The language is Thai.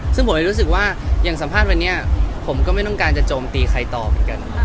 ซึ่งผมเลยรู้สึกว่าอย่างสัมภาษณ์วันนี้ผมก็ไม่ต้องการจะโจมตีใครต่อเหมือนกัน